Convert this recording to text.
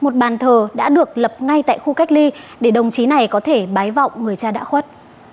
một bàn thờ đã được lập ngay tại khu cách ly để đồng chí này có thể bái vọng người cha đã khuất